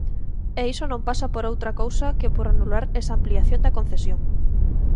E iso non pasa por outra cousa que por anular esa ampliación da concesión.